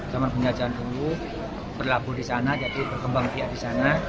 zaman penjajahan dulu berlabuh di sana jadi berkembang biak di sana